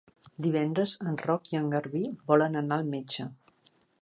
Divendres en Roc i en Garbí volen anar al metge.